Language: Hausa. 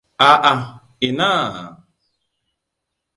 A'a ina!